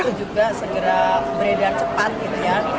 itu juga segera beredar cepat gitu ya